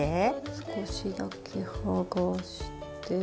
少しだけはがして。